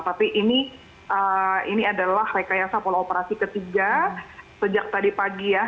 tapi ini adalah rekayasa pola operasi ketiga sejak tadi pagi ya